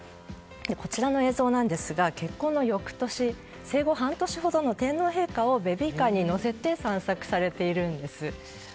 こちらの映像なんですが結婚の翌年生後半年ほどの天皇陛下をベビーカーに乗せて散策されているんです。